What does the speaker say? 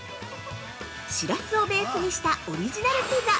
◆シラスをベースにしたオリジナルピザ。